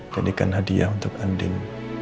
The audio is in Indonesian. jadikan hadiah untuk andin